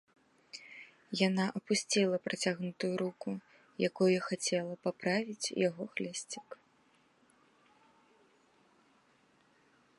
Яна апусціла працягнутую руку, якою хацела паправіць яго хлясцік.